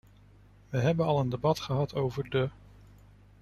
We hebben al een debat gehad over de .